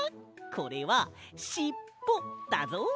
これはしっぽだぞ。